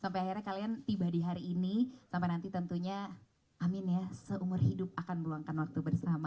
sampai akhirnya kalian tiba di hari ini sampai nanti tentunya amin ya seumur hidup akan meluangkan waktu bersama